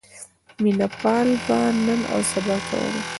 مینه پال به نن اوسبا کوله.